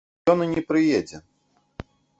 Ён і не прыедзе.